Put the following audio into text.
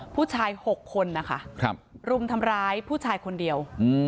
ผู้ชาย๖คนนะคะรุมทำร้ายผู้ชายคนเดียว